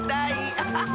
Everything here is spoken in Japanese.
アハハ！